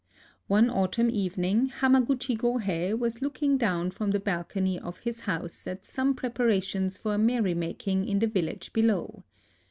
One autumn evening Hamaguchi Gohei was looking down from the balcony of his house at some preparations for a merry making in the village below.